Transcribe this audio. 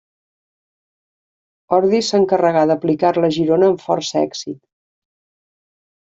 Ordis s'encarregà d'aplicar-la a Girona amb força èxit.